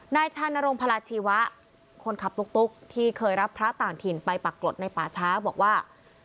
นายชานรงพลาชีวะคนขับตุ๊กที่เคยรับพระต่างถิ่นไปปรากฏในป่าช้าบอกว่า